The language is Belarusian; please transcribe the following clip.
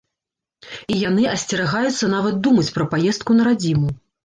І яны асцерагаюцца нават думаць пра паездку на радзіму.